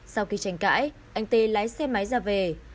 sau khi tranh cãi anh tê lái xe máy ra về